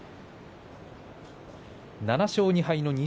７勝２敗の錦